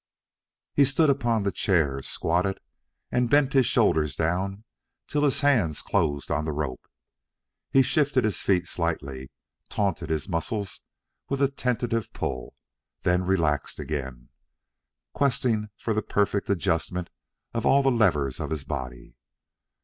He stood upon the chairs, squatted, and bent his shoulders down till his hands closed on the rope. He shifted his feet slightly, tautened his muscles with a tentative pull, then relaxed again, questing for a perfect adjustment of all the levers of his body.